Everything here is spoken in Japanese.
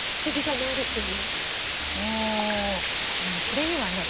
それにはね